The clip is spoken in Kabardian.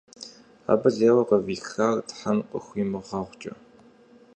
Абы лейуэ къывихар Тхьэм къыхуимыгъэгъукӀэ.